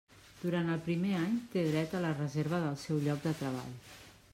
Durant el primer any té dret a la reserva del seu lloc de treball.